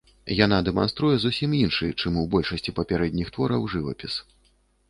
Яна дэманструе зусім іншы, чым у большасці папярэдніх твораў, жывапіс.